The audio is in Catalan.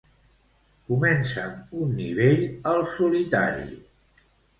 Comença'm un nivell al "Solitari".